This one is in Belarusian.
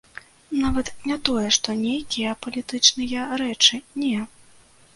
Нават не тое што нейкія палітычныя рэчы, не.